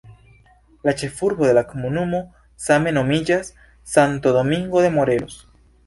La ĉefurbo de la komunumo same nomiĝas "Santo Domingo de Morelos".